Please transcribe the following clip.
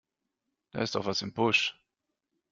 Da ist doch etwas im Busch!